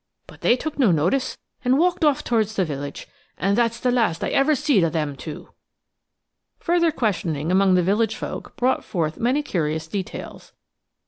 But they took no notice, and walked off towards the village, and that's the last I ever seed o' them two." Further questioning among the village folk brought forth many curious details.